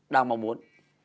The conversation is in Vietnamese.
đang mong muốn